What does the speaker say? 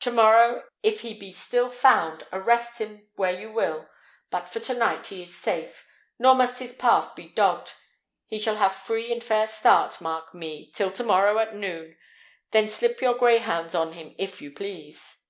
To morrow, if he be still found, arrest him where you will; but for to night he is safe, nor must his path be dogged. He shall have free and fair start, mark me, till tomorrow at noon; then slip your greyhounds on him, if you please."